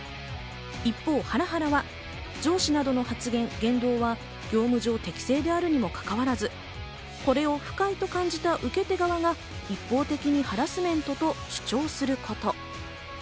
一方、ハラハラは上司などの発言・言動は業務上適正であるにもかかわらず、これを不快と感じた受け手側が一方的にハラスメントと主張すること。